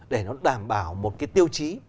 để nó đảm bảo một cái tiêu chí